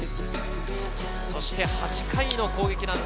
そして８回の攻撃。